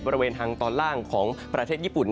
บริเวณทางตอนล่างของประเทศญี่ปุ่น